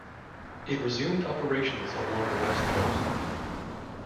It resumed operations along the west coast.